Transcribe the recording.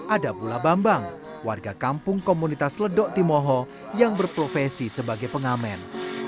ada pula bambang warga kampung komunitas ledok timoho yang berprofesi sebagai pengamen